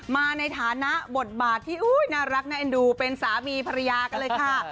มาในฐานะบทบาทที่น่ารักน่าเอ็นดูเป็นสามีภรรยากันเลยค่ะ